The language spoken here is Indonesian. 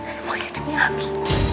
semua demi abi